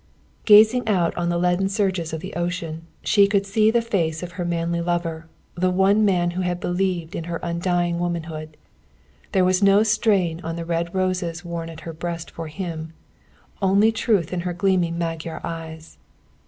Gazing out on the leaden surges of the ocean, she could see the face of her manly lover, the one man who had believed in her underlying womanhood. There was no stain on the red roses worn on her breast for him; only truth in her gleaming Magyar eyes.